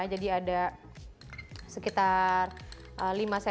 jadi ada sekitar lima sendok makan